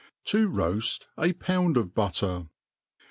., Ta rnajl a Pound of Butter.